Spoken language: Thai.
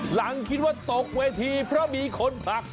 หลังคิดว่าตกเวทีเพราะมีคนผลัก